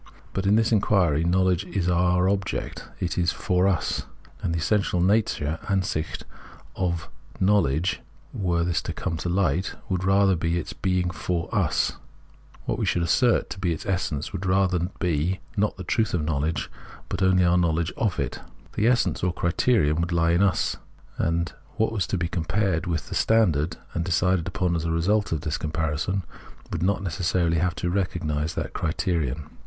But "In this inquiry knowledge is our object, it is for us ; and the essential nature (Ansich) of know ledge, were this to come to hght, would be rather its being for us : what we should assert to be its essence would rather be, not the truth of knowledge, but only om* knowledge of it. The essence or the criterion would he in us, and what was to be compared with this standard, and decided upon as a result of this com parison, would not necessarily have to recognise that criterion.